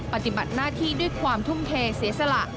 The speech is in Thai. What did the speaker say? ปฏิบัติหน้าที่ด้วยความทุ่มเทเสียสละ